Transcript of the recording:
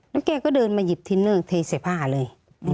แล้วแกก็เดินมาหยิบทินเนอร์เทใส่ผ้าเลย